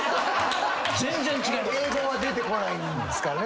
英語は出てこないんすかね。